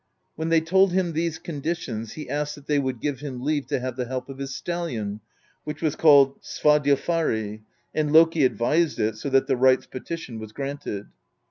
When they told him these conditions, he asked that they would give him leave to have the help of his stallion, which was called Sva dilfari; and Loki advised it, so that the wright's petition was granted.